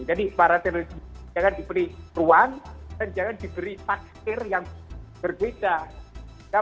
jadi para terorisme jangan diberi ruang dan jangan diberi takdir yang berbeda